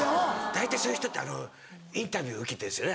大体そういう人ってインタビュー受けてんですよね。